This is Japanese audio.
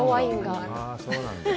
ああ、そうなんだ。